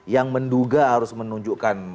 yang menduga harus menunjukkan